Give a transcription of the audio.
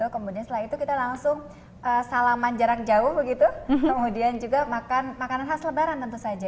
kemudian setelah itu kita langsung salaman jarak jauh begitu kemudian juga makan makanan khas lebaran tentu saja